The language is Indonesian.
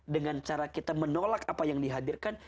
dengan cara kita menolak apa yang dihadirkan